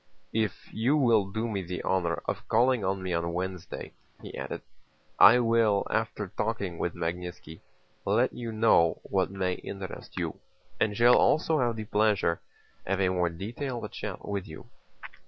"If you will do me the honor of calling on me on Wednesday," he added, "I will, after talking with Magnítski, let you know what may interest you, and shall also have the pleasure of a more detailed chat with you."